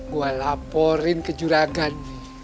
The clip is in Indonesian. gua laporin ke juragan